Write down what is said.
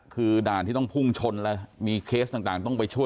คือด่านที่ต้องพุ่งชนแล้วมีเคสต่างต้องไปช่วย